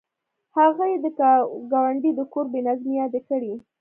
هغې د ګاونډي د کور بې نظمۍ یادې کړې